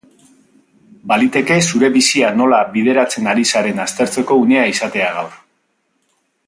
Baliteke zure bizia nola bideratzen ari zaren aztertzeko unea izatea gaur.